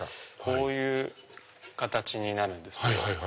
こういう形になるんですけど。